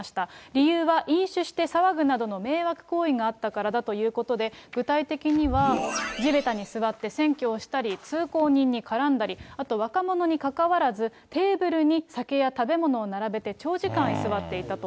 理由は飲酒して騒ぐなどの迷惑行為があったからだということで、具体的には地べたに座って占拠をしたり、通行人に絡んだり、あと若者にかかわらず、テーブルに酒や食べ物を並べて、長時間居座っていたと。